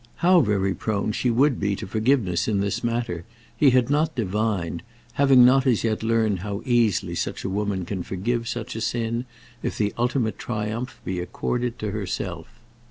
How very prone she would be to forgiveness in this matter, he had not divined, having not as yet learned how easily such a woman can forgive such a sin, if the ultimate triumph be accorded to herself.